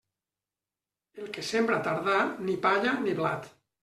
El que sembra tardà, ni palla ni blat.